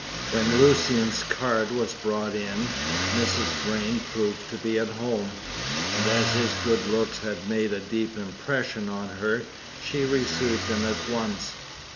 When Lucian's card was brought in, Mrs. Vrain proved to be at home, and as his good looks had made a deep impression on her, she received him at once.